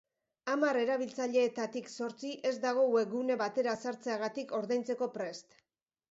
Hamar erabiltzaileetatik zortzi ez dago webgune batera sartzeagatik ordaintzeko prest.